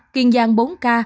kiên giang bốn ca